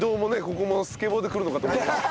ここもスケボーで来るのかと思いましたけど。